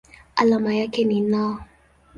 Alama yake ni Na.